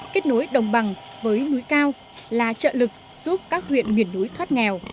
kết nối đồng bằng với núi cao là trợ lực giúp các huyện miền núi thoát nghèo